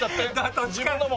自分のもん？